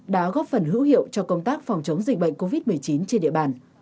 đã góp phần hữu hiệu cho công tác phòng chống dịch bệnh covid một mươi chín trên địa bàn